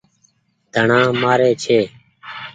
ڌڻآ مآري ڇي۔